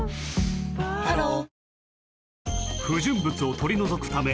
ハロー